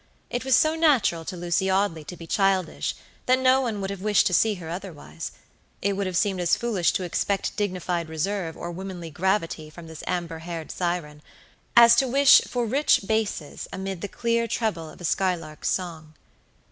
It was so natural to Lucy Audley to be childish, that no one would have wished to see her otherwise. It would have seemed as foolish to expect dignified reserve or womanly gravity from this amber haired siren, as to wish for rich basses amid the clear treble of a sky lark's song.